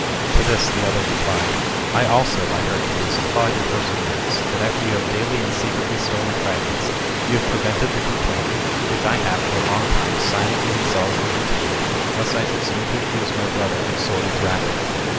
To this the other replied, " I also, by Hercules, applaud your perseverance, that after you have daily and secretly stolen fragments, you have prevented the complaint, which I have for a long time silently and sorrowfully retained, lest I should seem to accuse my brother of sordid rapine.